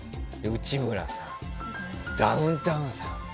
内村さん、ダウンタウンさん。